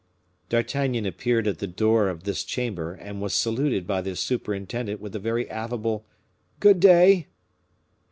D'Artagnan appeared at the door of this chamber, and was saluted by the superintendent with a very affable "Good day."